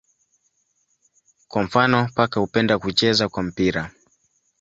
Kwa mfano paka hupenda kucheza kwa mpira.